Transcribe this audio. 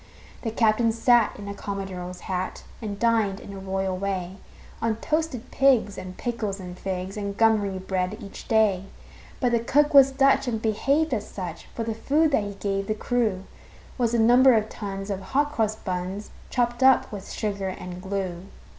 The captain sat in a commodore's hat And dined, in a royal way, On toasted pigs and pickles and figs And gummery bread, each day. But the cook was Dutch, and behaved as such; For the food that he gave the crew Was a number of tons of hot cross buns, Chopped up with sugar and glue.